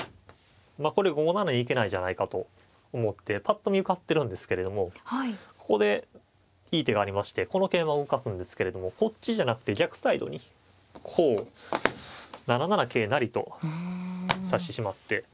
まあこれ５七に行けないじゃないかと思ってぱっと見受かってるんですけれどもここでいい手がありましてこの桂馬を動かすんですけれどもこっちじゃなくて逆サイドにこう７七桂成と指してしまって。